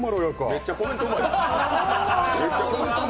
めっちゃコメントうまい。